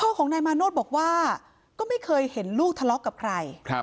ของนายมาโนธบอกว่าก็ไม่เคยเห็นลูกทะเลาะกับใคร